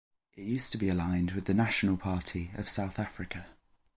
It used to be aligned with the National Party of South Africa.